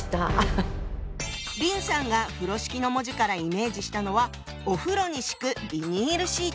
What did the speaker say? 林さんが風呂敷の文字からイメージしたのはお風呂に敷くビニールシート。